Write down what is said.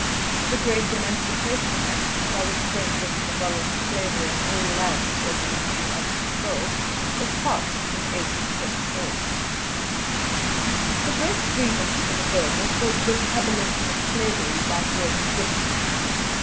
The great Emancipation Act, by which Great Britain abolished Slavery in all lands over which she had control, was passed in 1834. The great grievance for the Burghers was this abolition of slavery by Great Britain.